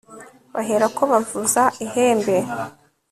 baherako bavuza ihembe